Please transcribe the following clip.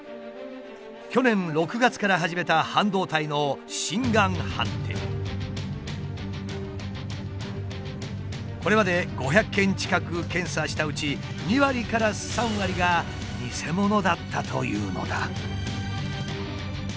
去年６月から始めたこれまで５００件近く検査したうち２割から３割がニセモノだったというのだ。